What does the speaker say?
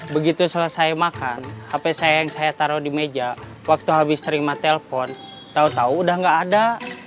begitu selesai makan hp saya yang saya taruh di meja waktu habis terima telepon tau tau udah gak ada